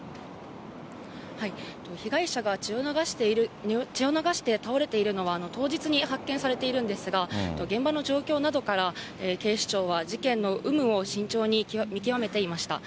被害者が血を流して倒れているのは、当日に発見されているんですが、現場の状況などから、警視庁は事件の有無を慎重に見極めていました。